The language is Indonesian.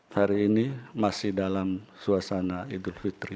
hai hari ini masih dalam suasana idul fitri